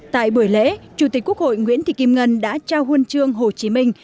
tại buổi lễ chủ tịch quốc hội nguyễn thị kim ngân đã trao huân chương hồ chí minh